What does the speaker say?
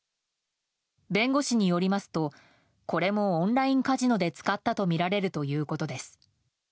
弁護士によりますとこれもオンラインカジノで使ったとみられるとのことです。